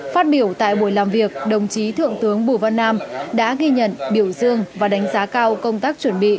phát biểu tại buổi làm việc đồng chí thượng tướng bùi văn nam đã ghi nhận biểu dương và đánh giá cao công tác chuẩn bị